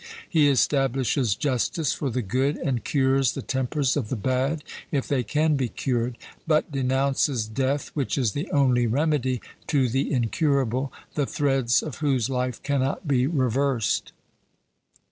He establishes justice for the good, and cures the tempers of the bad, if they can be cured; but denounces death, which is the only remedy, to the incurable, the threads of whose life cannot be reversed.